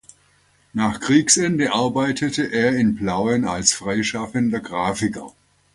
Nach Kriegsende arbeitete er in Plauen als freischaffender Grafiker.